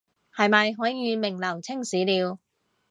是咪可以名留青史了